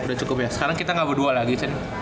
udah cukup ya sekarang kita gak berdua lagi